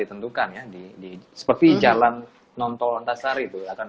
ternyata bisa membahayakan